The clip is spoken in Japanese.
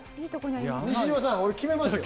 西島さん、俺決めますよ。